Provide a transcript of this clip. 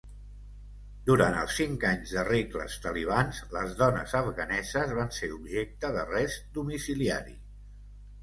Durant els cinc anys de regles talibans, les dones afganeses van ser objecte d'arrest domiciliari.